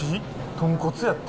豚骨やって。